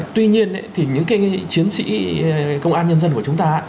tuy nhiên thì những chiến sĩ công an nhân dân của chúng ta